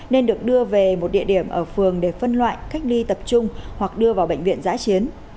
nên được đưa về một địa điểm ở phường để phân loại cách ly tập trung hoặc đưa vào bệnh viện giã chiến